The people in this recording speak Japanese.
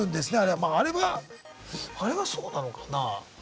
まああれはあれはそうなのかなあ？